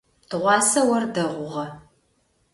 Тыгъуасэ ор дэгъугъэ.